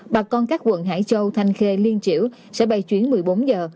bà con các quận hải châu thanh khê liên triểu sẽ bay chuyến một mươi bốn giờ